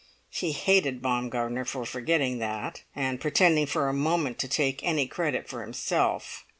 He hated Baumgartner for forgetting that, and pretending for a moment to take any credit to himself.